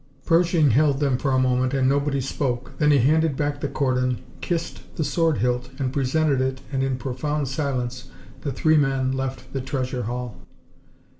Pershing held them for a moment and nobody spoke. Then he handed back the cordon, kissed the sword hilt and presented it, and in profound silence the three men left the treasure hall.